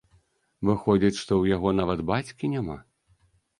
Выходзіць, што ў яго нават бацькі няма?